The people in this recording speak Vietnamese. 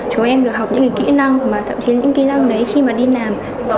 chúng em được học những kỹ năng mà thậm chí những kỹ năng đấy khi mà đi làm